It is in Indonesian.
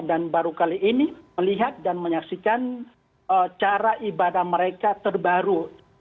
dan baru kali ini melihat dan menyaksikan cara ibadah mereka terbaru